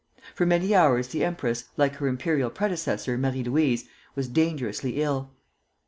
For many hours the empress, like her imperial predecessor Marie Louise, was dangerously ill.